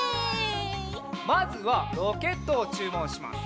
まずはロケットをちゅうもんします。